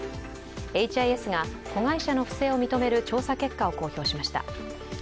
エイチ・アイ・エスが子会社の不正を認める調査結果を公表しました。